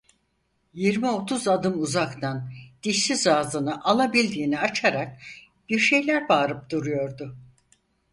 Yirmi otuz adım uzaktan, dişsiz ağzını alabildiğine açarak, bir şeyler bağırıp duruyordu.